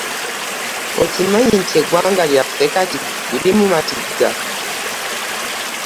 Okimanyi nti eggwanga lyaffe kati liri mu mattiga.